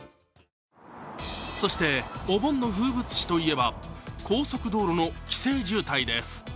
そしてお盆の風物詩といえば高速道路の帰省渋滞です。